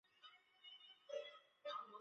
他的名字叫一休。